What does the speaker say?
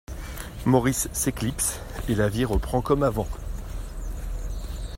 Maurice s'éclipse et la vie reprend comme avant.